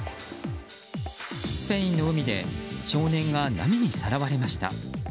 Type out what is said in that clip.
スペインの海で少年が波にさらわれました。